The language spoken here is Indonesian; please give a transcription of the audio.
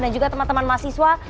dan juga teman teman mahasiswa